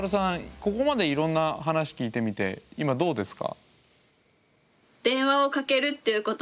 ここまでいろんな話聞いてみて今どうですか？